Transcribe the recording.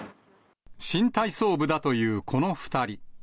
新体操部だというこの２人。